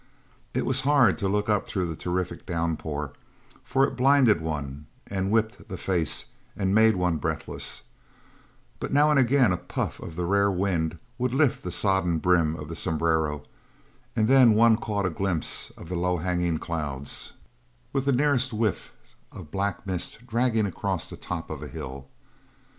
It was hard to look up through the terrific downpour, for it blinded one and whipped the face and made one breathless, but now and again a puff of the rare wind would lift the sodden brim of the sombrero and then one caught a glimpse of the low hanging clouds, with the nearest whiffs of black mist dragging across the top of a hill.